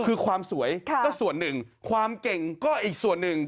คือความสวยก็ส่วนหนึ่งความเก่งก็อีกส่วนหนึ่ง